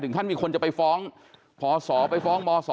ถึงท่านมีคนจะไปฟ้องพศไปฟ้องบศ